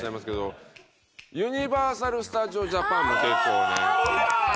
ユニバーサル・スタジオ・ジャパンも結構ね。